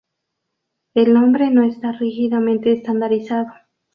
El nombre no está rígidamente estandarizado.